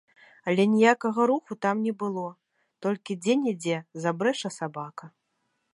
Але ніякага руху там не было, толькі дзе-нідзе забрэша сабака.